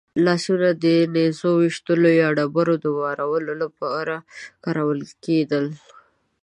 لاسونه د نېزو ویشتلو یا ډبرو د وارولو لپاره کارول کېدل.